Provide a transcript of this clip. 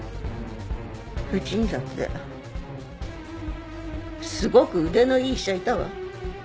うちにだってすごく腕のいい医者いたわ